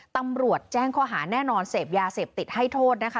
ตำรวจแจ้งข้อหาแน่นอนเสพยาเสพติดให้โทษนะคะ